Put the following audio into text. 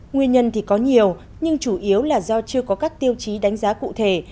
nguyên nhân thì có nhiều nhưng chủ yếu là do chưa có các tiêu chí đánh giá cụ thể